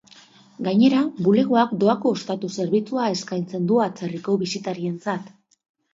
Gainera, bulegoak doako ostatu zerbitzua eskaintzen du atzerriko bisitarientzat.